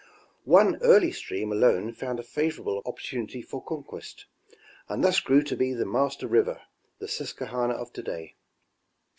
One early stream alone found a favorable opportunity for conquest, and thus grew to be the master river — the Susquehanna of to day.